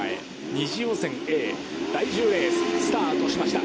２次予選Ａ、第１０レース、スタートしました。